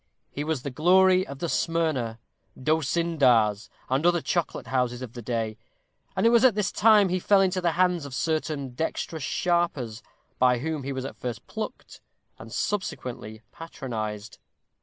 He was the glory of the Smyrna, D'Osyndar's, and other chocolate houses of the day; and it was at this time he fell into the hands of certain dexterous sharpers, by whom he was at first plucked and subsequently patronized.